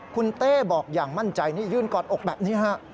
คุณเต้บอกอย่างมั่นใจนี่ยืนกอดอกแบบนี้ฮะ